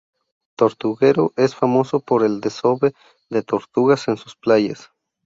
Tortuguero es famoso por el desove de tortugas en sus playas.